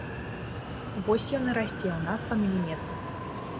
Вось ён і расце ў нас па міліметры.